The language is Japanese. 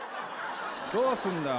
どうすんだよ